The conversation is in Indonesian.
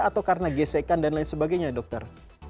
atau karena gesekan dan lain sebagainya dokter